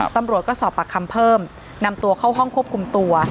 ตำรวจก็สอบปากคำเพิ่มนำตัวเข้าห้องควบคุมตัว